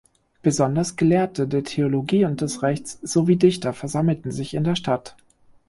Besonders Gelehrte der Theologie und des Rechts sowie Dichter versammelten sich in der Stadt.